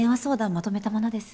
まとめたものです。